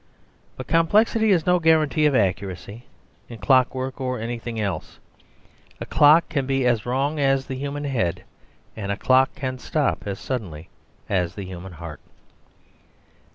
But complexity is no guarantee of accuracy in clockwork or in anything else. A clock can be as wrong as the human head; and a clock can stop, as suddenly as the human heart.